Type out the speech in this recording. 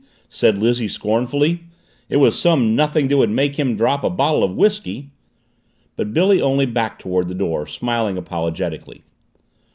said Lizzie scornfully. "It was some nothing that would make him drop a bottle of whisky!" But Billy only backed toward the door, smiling apologetically.